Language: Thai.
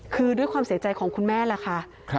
คือด้วยความเสียใจของคุณแม่แหละค่ะ